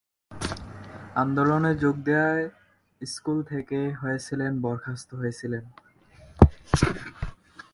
আন্দোলনে যোগ দেওয়ায় স্কুল থেকে হয়েছিলেন বরখাস্ত হয়েছিলেন।